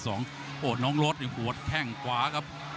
โหน้องโรสหัวแข้งกวาครับ